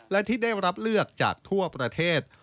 และที่ได้รับเลือกจากทั่วประเทศ